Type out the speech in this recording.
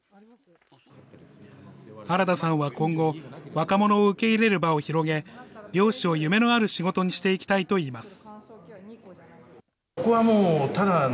原田さんは今後、若者を受け入れる場を広げ、猟師を夢のある仕事にしていきたいといいます。